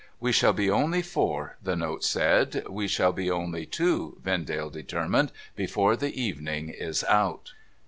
' We shall be only four,' the note said. ' We shall be only two,' Vendale determined, ' before the evening is out